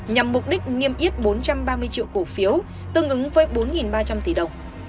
nhằm mục đích nghiêm yết bốn trăm ba mươi triệu cổ phiếu tương ứng với bốn ba trăm linh tỷ đồng